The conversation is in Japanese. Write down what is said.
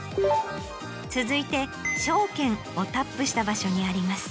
続いて「証券」をタップした場所にあります。